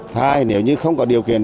hai nếu như không có điều kiện